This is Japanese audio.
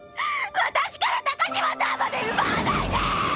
私から高嶋さんまで奪わないで！